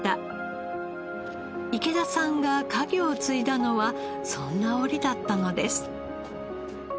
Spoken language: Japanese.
池田さんが家業を継いだのはそんな折だったのです。